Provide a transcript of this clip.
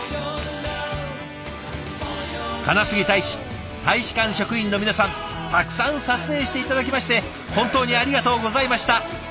金杉大使大使館職員の皆さんたくさん撮影して頂きまして本当にありがとうございました。